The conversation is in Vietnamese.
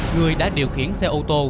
người đã điều khiển xe ô tô